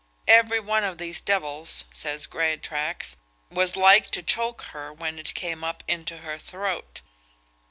"Every one of these devils," says Greatraks, "was like to choke her when it came up into her throat."